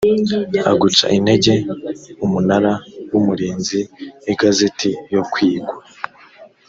aguca intege umunara w umurinzi igazeti yo kwigwa